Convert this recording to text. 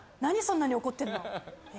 そんなに怒ってんの？